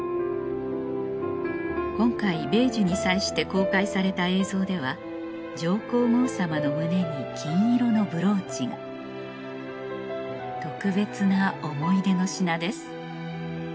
今回米寿に際して公開された映像では上皇后さまの胸に金色のブローチが特別な思い出の品です